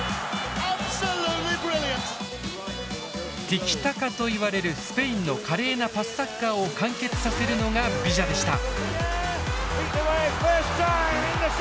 「ティキタカ」といわれるスペインの華麗なパスサッカーを完結させるのがビジャでした。